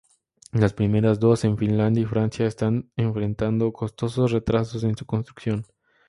Las primeras dos, en Finlandia y Francia, están enfrentando costosos retrasos en su construcción.